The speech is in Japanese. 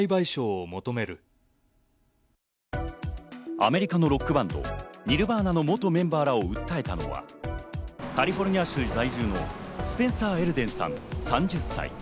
アメリカのロックバンド、ニルヴァーナの元メンバーらを訴えたのはカリフォルニア在住のスペンサー・エルデンさん、３０歳。